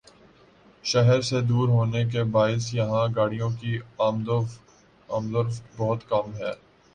شہر سے دور ہونے کے باعث یہاں گاڑیوں کی آمدورفت بہت کم ہے